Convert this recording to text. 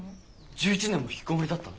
１１年もひきこもりだったの？